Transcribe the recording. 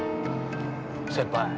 先輩。